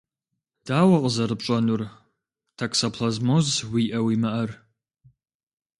Дауэ къызэрыпщӏэнур токсоплазмоз уиӏэ-уимыӏэр?